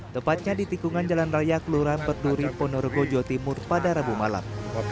tepatnya di tikungan jalan raya kelurahan peturi ponorogo jawa timur pada rabu malam